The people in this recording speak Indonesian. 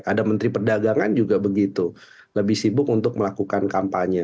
ada menteri perdagangan juga begitu lebih sibuk untuk melakukan kampanye